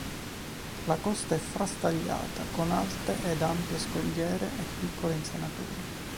La costa è frastagliata, con alte ed ampie scogliere e piccole insenature.